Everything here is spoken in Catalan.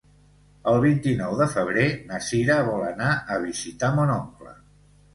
El vint-i-nou de febrer na Cira vol anar a visitar mon oncle.